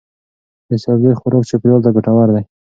د سبزی خوراک چاپیریال ته ګټور دی.